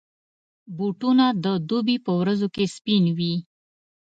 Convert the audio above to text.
بوټونه د دوبي پر ورځو کې سپین وي.